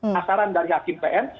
masaran dari hakim pn